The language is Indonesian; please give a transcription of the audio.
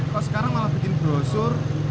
kalau sekarang malah bikin brosur